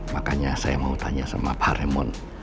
makanya saya mau tanya sama pak haremon